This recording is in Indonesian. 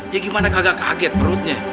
ya gimana agak kaget perutnya